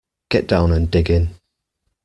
Get down and dig in.